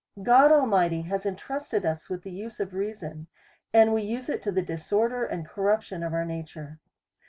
God Almighty has entrusted us with the use of rea son, and we use it to the disorder and corruption of our nature.